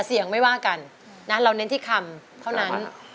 เสียงไม่ว่ากันนะเราเน้นที่คำเท่านั้น